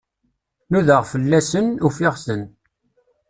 Nudaɣ fell-asen, ufiɣ-ten.